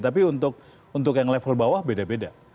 tapi untuk yang level bawah beda beda